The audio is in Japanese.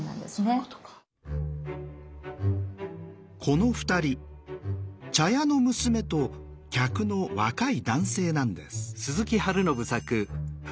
この２人茶屋の娘と客の若い男性なんです。